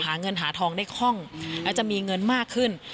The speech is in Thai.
หาเงินหาทองได้คล่องและจะมีเงินมากขึ้น